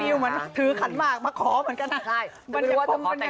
แต่ปิวมันถือขันมากมาขอเหมือนกันนะ